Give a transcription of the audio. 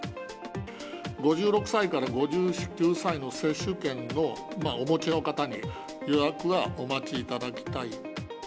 ５６歳から５９歳の接種券をお持ちの方に、予約はお待ちいただきたい。